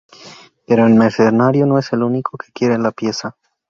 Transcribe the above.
Pero el mercenario no es el único que quiere la pieza.